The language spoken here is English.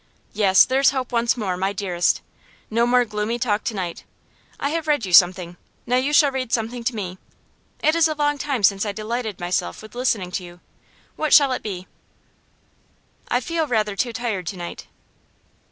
'Yes, there's hope once more, my dearest. No more gloomy talk to night! I have read you something, now you shall read something to me; it is a long time since I delighted myself with listening to you. What shall it be?' 'I feel rather too tired to night.